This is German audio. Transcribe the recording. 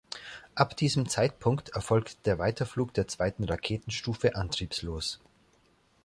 Ab diesem Zeitpunkt erfolgt der Weiterflug der zweiten Raketenstufe antriebslos.